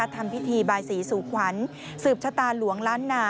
ทำพิธีบายศรีสู่ขวัญสืบชะตาหลวงล้านนา